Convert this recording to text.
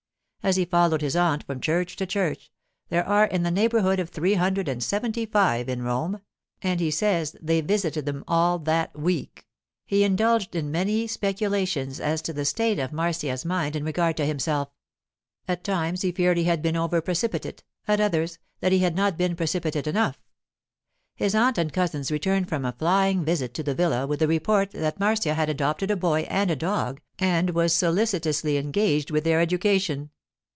As he followed his aunt from church to church (there are in the neighbourhood of three hundred and seventy five in Rome, and he says they visited them all that week) he indulged in many speculations as to the state of Marcia's mind in regard to himself. At times he feared he had been over precipitate; at others, that he had not been precipitate enough. His aunt and cousins returned from a flying visit to the villa, with the report that Marcia had adopted a boy and a dog and was solicitously engaged with their education.